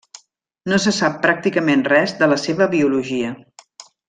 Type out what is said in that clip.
No se sap pràcticament res de la seva biologia.